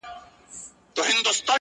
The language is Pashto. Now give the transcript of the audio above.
خو لا نن هم دی رواج د اوسنیو.!